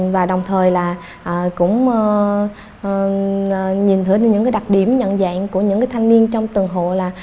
và đồng thời là cũng nhìn thấy những đặc điểm nhận dạng của những thanh niên trong từng hộ là